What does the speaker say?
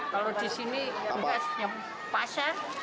kalau di sini tugasnya pasar